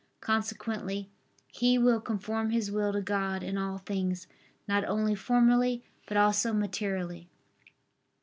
Consequently he will conform his will to God in all things not only formally, but also materially.